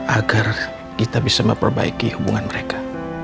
agar kita bisa memperbaiki hubungan mereka